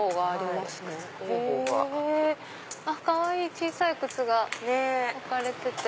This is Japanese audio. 小さい靴が置かれてて。